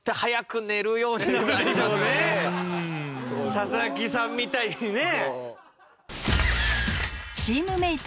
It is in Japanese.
佐々木さんみたいにね。